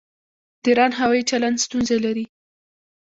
د ایران هوايي چلند ستونزې لري.